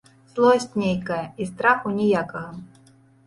Злосць нейкая і страху ніякага.